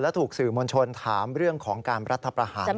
และถูกสื่อมณชนถามเรื่องของการรัฐพระหารด้วย